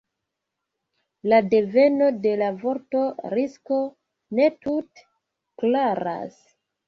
La deveno de la vorto „risko“ ne tute klaras.